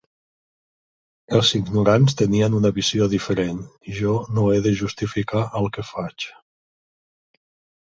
Els ignorants tenien una visió diferent; jo no he de justificar el que faig.